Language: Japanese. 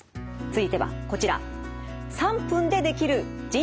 続いてはこちら。